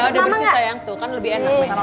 udah bersih sayang tuh kan lebih enak